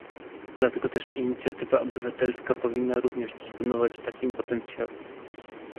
Dlatego też inicjatywa obywatelska powinna również dysponować takim potencjałem